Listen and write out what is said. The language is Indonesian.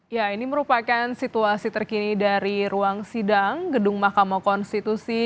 ya ini merupakan situasi terkini dari ruang sidang gedung mahkamah konstitusi